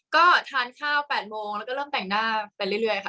ก็ทานข้าว๘โมงแล้วก็เริ่มแต่งหน้าไปเรื่อยค่ะ